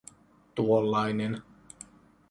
Tuollainen.